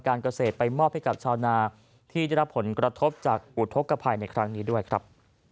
การเกษตรไปมอบให้กับชาวนาที่ได้รับผลกระทบจากอุทธกภัยในครั้งนี้ด้วยครับ